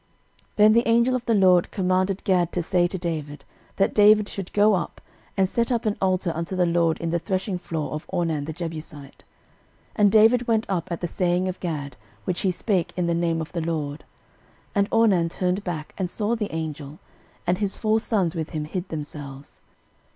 13:021:018 Then the angel of the LORD commanded Gad to say to David, that David should go up, and set up an altar unto the LORD in the threshingfloor of Ornan the Jebusite. 13:021:019 And David went up at the saying of Gad, which he spake in the name of the LORD. 13:021:020 And Ornan turned back, and saw the angel; and his four sons with him hid themselves.